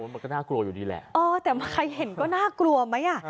มันก็น่ากลัวอยู่ดีแหละเออแต่ใครเห็นก็น่ากลัวไหมอ่ะ